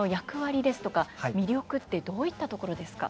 魅力ってどういったところですか？